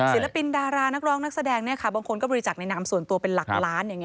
ศิลปินดารานักร้องนักแสดงบางคนก็บริจักษ์ในนามส่วนตัวเป็นหลักล้าน